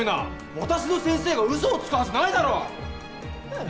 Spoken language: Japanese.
私の先生がうそをつくはずないだろう。ねぇ。